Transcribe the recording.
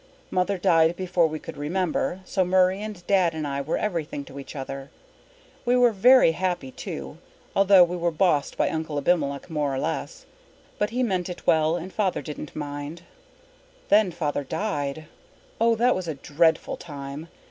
Mother died before we could remember, so Murray and Dad and I were everything to each other. We were very happy too, although we were bossed by Uncle Abimelech more or less. But he meant it well and Father didn't mind. Then Father died oh, that was a dreadful time!